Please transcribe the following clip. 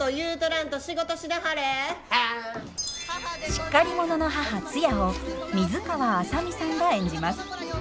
しっかり者の母ツヤを水川あさみさんが演じます。